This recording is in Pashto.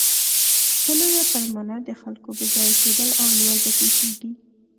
په لویه پیمانه د خلکو بېځایه کېدل او لوږه پېښېږي.